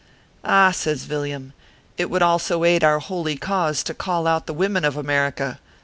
"Ah !" says Villiam, " it would also aid our holy cause to call out the women of America.